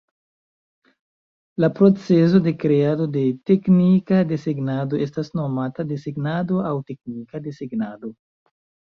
La procezo de kreado de teknika desegnado estas nomata desegnado aŭ teknika desegnado.